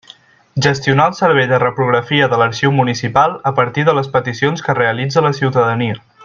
Gestionar el servei de reprografia de l'arxiu municipal a partir de les peticions que realitza la ciutadania.